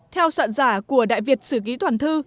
theo soạn giả của đại việt sử ký toàn thư